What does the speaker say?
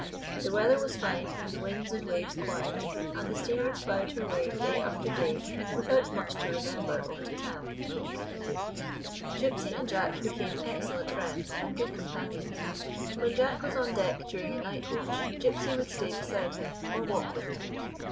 The weather was fine, the winds and waves quiet, and the steamer ploughed her way day after day without much to remember or to tell. 141 GYPSY, THE TALKING DOG Gypsy and Jack became excellent friends and good companions. When Jack was on deck during a night watch Gypsy would stay beside him or walk with him.